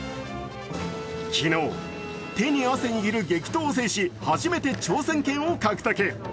昨日手に汗握る激闘を制し、初めて挑戦権を獲得。